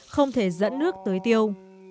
không thể dẫn nước tới tiêu